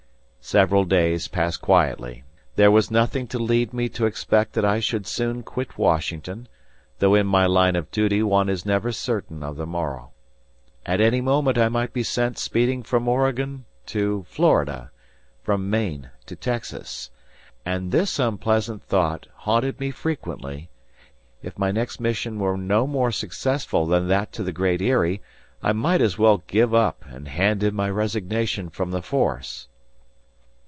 Several days passed quietly. There was nothing to lead me to expect that I should soon quit Washington; though in my line of duty one is never certain of the morrow. At any moment I might be sent speeding from Oregon to Florida, from Maine to Texas. And this unpleasant thought haunted me frequently if my next mission were no more successful than that to the Great Eyrie, I might as well give up and hand in my resignation from the force.